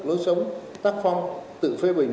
lối sống tác phong tự phê bình